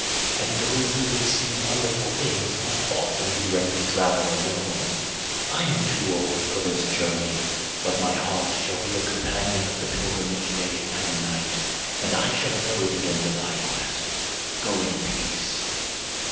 And those who would see wonderful things must often be ready to travel alone. I am too old for this journey, but my heart shall be a companion of the pilgrimage day and night, and I shall know the end of thy quest. Go in peace."